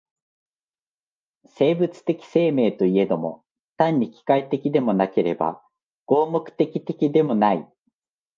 生物的生命といえども、単に機械的でもなければ合目的的でもない。